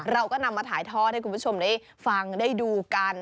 เราก็นำมาถ่ายทอดให้คุณผู้ชมได้ฟังได้ดูกัน